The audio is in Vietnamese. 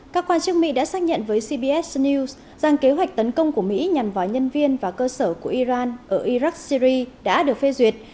các quan chức mỹ đã xác nhận với cbs news rằng kế hoạch tấn công của mỹ nhằm vào nhân viên và cơ sở của iran ở iraq syri đã được phê duyệt